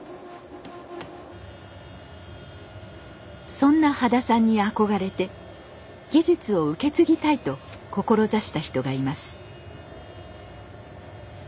そんな羽田さんに憧れて技術を受け継ぎたいと志した人がいます。